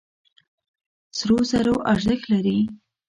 سرو زرو ارزښت لري.